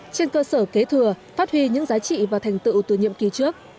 trên cơ sở kế thừa phát huy những giá trị và thành tựu từ nhiệm kỳ trước